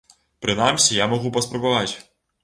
Прынамсі, я магу паспрабаваць!